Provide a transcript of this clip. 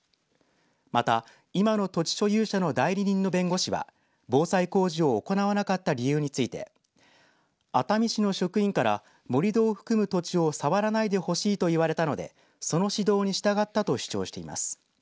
また今の土地所有者の代理人の弁護士は防災工事を行わなかった理由について熱海市の職員から盛り土を含む土地をさわらないでほしいと言われたのでその指導に従ったと主張しています。